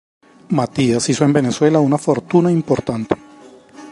Matías hizo en Venezuela una fortuna importante.